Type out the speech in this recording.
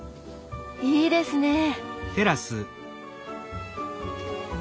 いいですねえ。